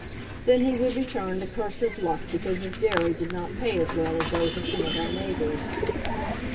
Then he would return to curse his luck because his dairy did not pay as well as those of some of our neighbours.